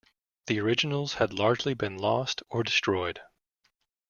The originals had largely been lost or destroyed.